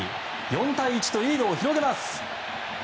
４対１とリードを広げます。